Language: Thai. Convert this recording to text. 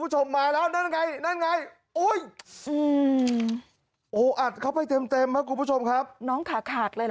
เหมือนรถเสียหลักนะคะ